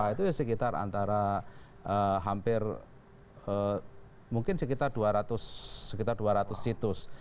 itu ya sekitar antara hampir mungkin sekitar dua ratus situs